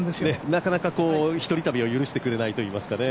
なかなか１人旅を許してくれないといいますかね。